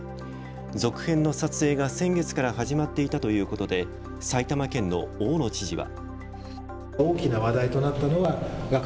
続編の撮影が先月から始まっていたということで埼玉県の大野知事は。